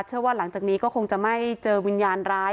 เชื่อว่าหลังจากนี้ก็คงจะไม่เจอวิญญาณร้าย